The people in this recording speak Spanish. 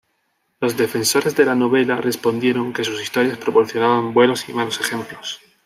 Los defensores de la "novela" respondieron que sus historias proporcionaban buenos y malos ejemplos.